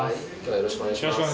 よろしくお願いします